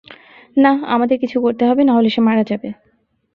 না, আমাদের কিছু করতে হবে, নাহলে সে মারা যাবে।